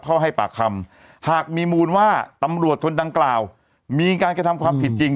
ให้ปากคำหากมีมูลว่าตำรวจคนดังกล่าวมีการกระทำความผิดจริง